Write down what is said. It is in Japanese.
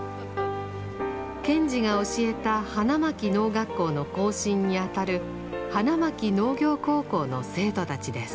賢治が教えた花巻農学校の後身にあたる花巻農業高校の生徒たちです。